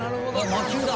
魔球だ。